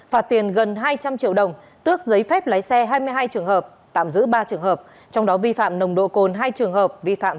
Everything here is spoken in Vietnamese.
phạt tiền gần hai trăm linh triệu đồng tước giấy phép lái xe hai mươi hai trường hợp tạm giữ ba trường hợp